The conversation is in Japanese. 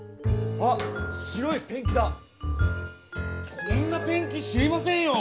こんなペンキ知りませんよ！